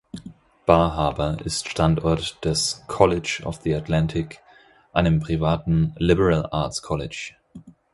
Bar Harbor ist Standort des Colleges of the Atlantic, einem privaten "Liberal Arts College".